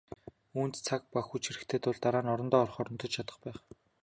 Үүнд цаг ба хүч хэрэгтэй тул дараа нь орондоо орохоор унтаж чадах байх.